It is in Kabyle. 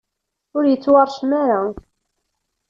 ur yettwaṛcem ara.